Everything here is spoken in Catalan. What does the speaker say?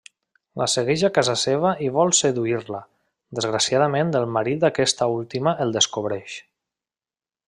La segueix a casa seva i vol seduir-la, desgraciadament el marit d'aquesta última el descobreix.